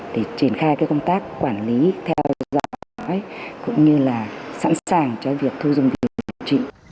để triển khai công tác quản lý theo dõi cũng như sẵn sàng cho việc thu dung việc điều trị